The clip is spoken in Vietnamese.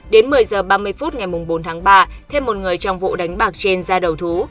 đến một mươi h ba mươi phút ngày bốn tháng ba thêm một người trong vụ đánh bạc trên ra đầu thú